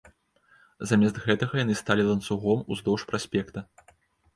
Замест гэтага яны сталі ланцугом уздоўж праспекта.